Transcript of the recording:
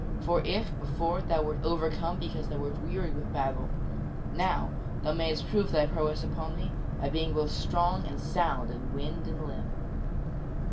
For if, before, thou wert overcome because thou wert weary with battle, now thou mayst prove thy prowess upon me being both strong and sound in wind and limb."